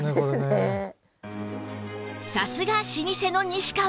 さすが老舗の西川！